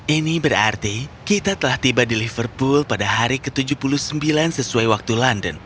ini berarti kita telah tiba di liverpool pada hari ke tujuh puluh sembilan sesuai waktu london